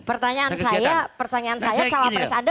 pertanyaan saya cawapres anda